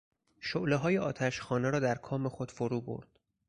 شعله های آتش خانه را در کام خود فرو برد.